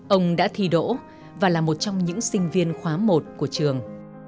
ông đã thi đỗ và là một trong những sinh viên khóa một của trường